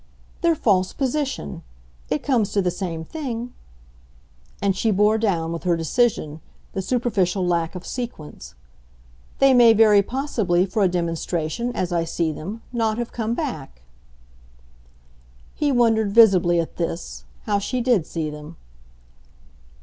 "Their false position. It comes to the same thing." And she bore down, with her decision, the superficial lack of sequence. "They may very possibly, for a demonstration as I see them not have come back." He wondered, visibly, at this, how she did see them.